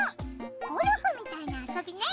ゴルフみたいな遊びね。